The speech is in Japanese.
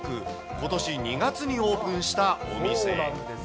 ことし２月にオープンしたお店。